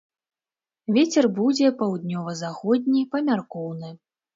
Вецер будзе паўднёва-заходні, памяркоўны.